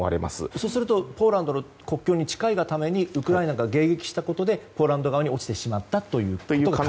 そうするとポーランド国境に近いためにウクライナが迎撃したためにポーランド側に落ちてしまったということも？